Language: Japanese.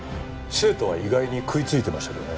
生徒は意外に食いついてましたけどね。